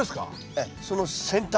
ええその先端。